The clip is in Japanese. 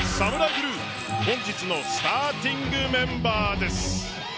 ブルー本日のスターティングメンバーです！